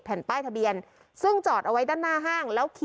อัศวินธรรมชาติ